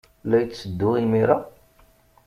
La yetteddu imir-a?